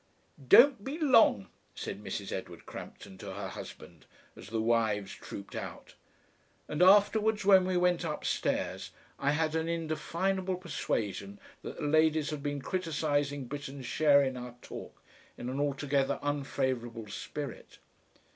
"Don't be long," said Mrs. Edward Crampton to her husband as the wives trooped out. And afterwards when we went upstairs I had an indefinable persuasion that the ladies had been criticising Britten's share in our talk in an altogether unfavourable spirit.